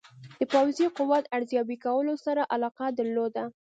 د پوځي قوت ارزیابي کولو سره علاقه درلوده.